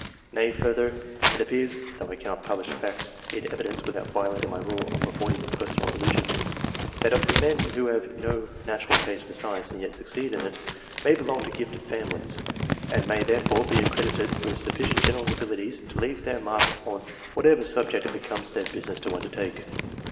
Nay, further, it appears (though I cannot publish facts in evi dence, without violating my rule of avoiding personal allusions) that of the men who have no natural taste for science and yet succeed in it, many belong to gifted families, and may therefore be accredited with sufficient general abilities to leave their mark on whatever sub ject it becomes their business to undertake.